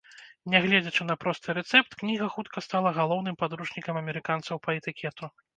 Нягледзячы на просты рэцэпт, кніга хутка стала галоўным падручнікам амерыканцаў па этыкету.